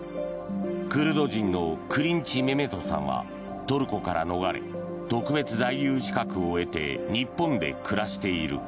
クルド人のクリンチ・メメトさんはトルコから逃れ特別在留資格を得て日本で暮らしている。